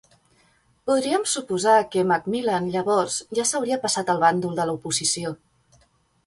Podríem suposar que McMillan, llavors, ja s'hauria passat al bàndol de l'oposició.